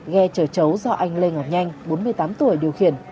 ghe chở chấu do anh lê ngọc nhanh bốn mươi tám tuổi điều khiển